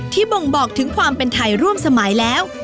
บ่งบอกถึงความเป็นไทยร่วมสมัยแล้ว